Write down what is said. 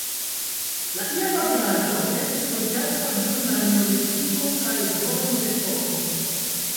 La iama vilaĝo estis loĝata dum la neolitiko kaj bronzepoko.